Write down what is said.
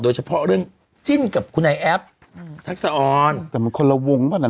โดยเฉพาะเรื่องจิ้นกับคุณไอแอปทักษะออนแต่มันคนละวงปะนั้น